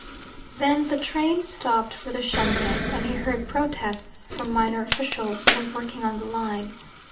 Then the train stopped for the shunting, and he heard protests from minor officials who were working on the line.